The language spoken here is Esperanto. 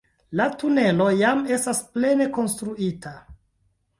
La tunelo jam estas plene konstruita.